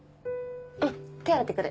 うん手洗ってくる。